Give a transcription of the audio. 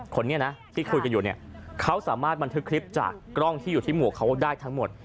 คนนี้นะที่คุยกันอยู่เนี่ยเขาสามารถบันทึกคลิปจากกล้องที่อยู่ที่หมวกเขาได้ทั้งหมด